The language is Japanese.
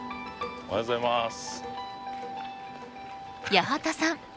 八幡さん